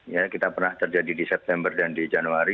ya kita pernah terjadi di september dan di januari